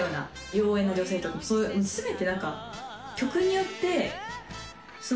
妖艶な女性とか全てなんか。